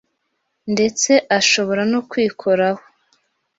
ndetse ashobora no kwikoraho.